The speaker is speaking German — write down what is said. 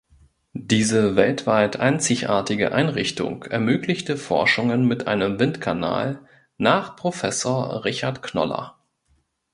Diese weltweit einzigartige Einrichtung ermöglichte Forschungen mit einem Windkanal nach Professor Richard Knoller.